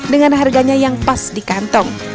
dengan harganya yang pas di kantong